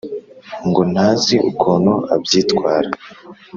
ngo ntazi ukuntu abyitwara